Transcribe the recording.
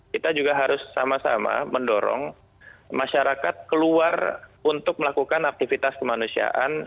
kita juga harus sama sama mendorong masyarakat keluar untuk melakukan aktivitas kemanusiaan